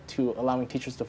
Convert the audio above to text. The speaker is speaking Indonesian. untuk membiarkan guru berkembang